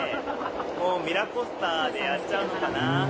もうミラコスタでやっちゃうのかな。